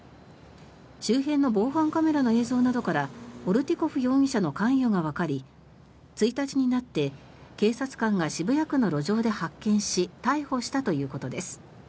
周辺の防犯カメラの映像などからオルティコフ容疑者の関与がわかり１日になって警察官が渋谷区の路上で発見し逮捕したということです。